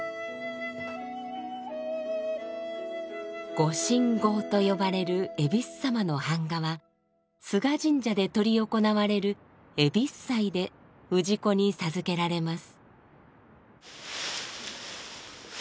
御神号と呼ばれるえびす様の版画は須賀神社で執り行われるえびす祭で氏子に授けられます。